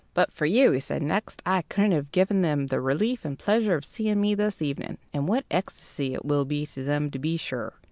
"But for you," he said next, "I couldn't have given them the relief and pleasure of seeing me this evening. And what ecstasy it will be to them, to be sure!